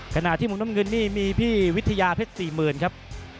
ขณะที่มุมน้ำเงินนี่มีพี่วิทยาเพชร๔๐๐๐ครับ